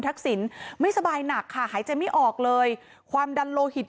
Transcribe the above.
ทักษิณไม่สบายหนักค่ะหายใจไม่ออกเลยความดันโลหิต